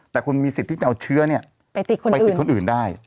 แต่คุณมีสิทธิ์ที่จะเอาเชื้อไปติดคนอื่นได้